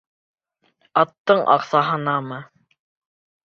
Аттың аҡсаһынамы?